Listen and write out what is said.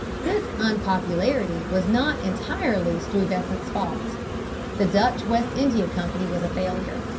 This unpopularity was not entirely Stuyvesant's fault. The Dutch West India Company was a failure.